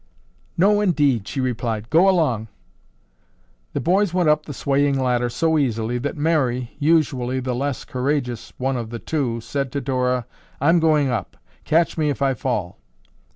"No, indeed," she replied. "Go along." The boys went up the swaying ladder so easily that Mary, usually the less courageous one of the two, said to Dora, "I'm going up. Catch me if I fall."